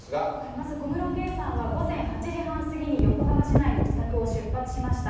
まず、小室圭さんは午前８時半過ぎに横浜市内の自宅を出発しました。